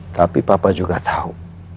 tapi papa juga tahu